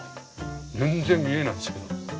全然見えないですよ。